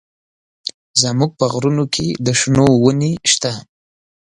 زموږ په غرونو کښې د شنو ونې سته.